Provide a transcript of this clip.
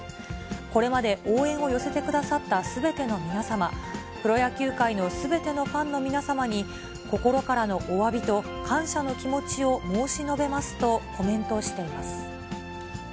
これまで応援を寄せてくださったすべての皆様、プロ野球界のすべてのファンの皆様に、心からのおわびと、感謝の気持ちを申し述べますとコメントしています。